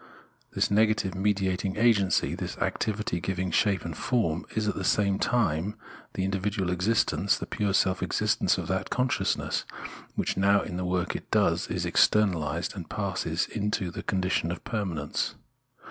This negative mediating agency, this activity giving shape and form, is at the same time the individual existence, the pure self existence of that consciousness, which now in the work it does is externahsed and passes into the condi tion of permanence.